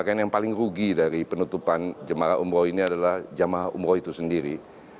karena yang paling rugi dari penutupan jemara umroh ini adalah jemah umroh itu sendiri